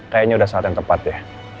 kayaknya udah saat yang tepat ya